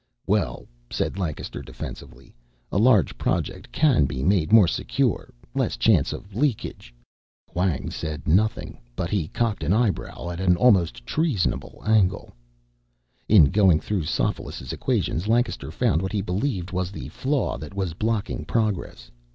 "Well," said Lancaster defensively, "a large Project can be made more secure less chance of leakage." Hwang said nothing, but he cocked an eyebrow at an almost treasonable angle. In going through Sophoulis' equations, Lancaster found what he believed was the flaw that was blocking progress.